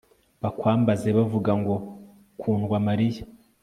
bakwambaze, bavuga ngo kundwa mariya